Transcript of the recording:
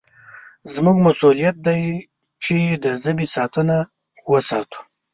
زموږ مسوولیت دی چې د ژبې ساتنه وساتو.